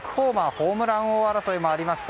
ホームラン王争いもありました。